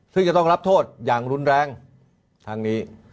ซึ่งจะต้องรับโทษอย่างรุนแรงทางนี้